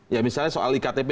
ya misalnya soal iktp